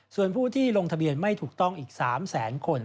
ส่วนผู้ที่ลงทะเบียนไม่ถูกต้องอีก๓แสนคน